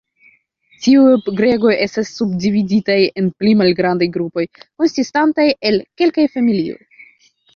Tiuj gregoj estas subdividitaj en pli malgrandaj grupoj konsistantaj el kelkaj familioj.